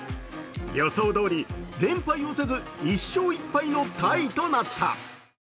予想どおり、連敗をせず１勝１敗のタイとなった。